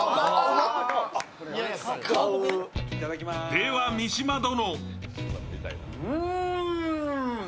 では、三島殿。